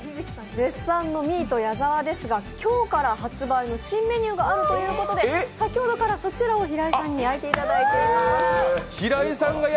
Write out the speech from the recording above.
絶賛のミート矢澤ですが、今日から発売の新メニューがあるということで、先ほどからそちらを平井さんに焼いていただいております。